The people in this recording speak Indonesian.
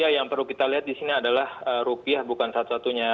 ya yang perlu kita lihat di sini adalah rupiah bukan satu satunya